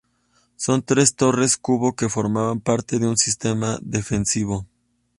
Son tres torres-cubo que formaban parte de un sistema defensivo.